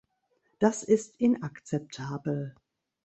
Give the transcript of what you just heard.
Das ist inakzeptabel!